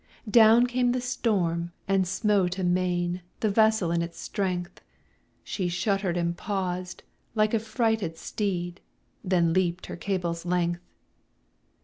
Down came the storm, and smote amain The vessel in its strength; She shudder'd and paused, like a frighted steed, Then leap'd her cable's length.